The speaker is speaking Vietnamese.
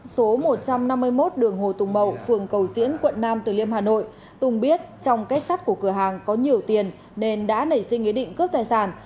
số một trăm năm mươi một đường hồ tùng mậu phường cầu diễn quận nam từ liêm hà nội tùng biết trong kết sắt của cửa hàng có nhiều tiền nên đã nảy sinh ý định cướp tài sản